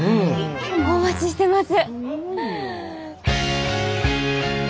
お待ちしてます。